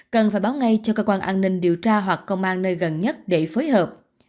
cần phải báo ngay cho cơ quan an ninh điều tra hoặc công an nơi gần nhất để phối hợp